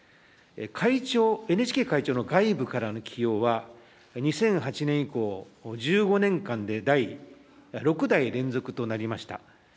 会長、ＮＨＫ会長の外部からの起用は、２００８年以降、１５年間で６代連続となりました。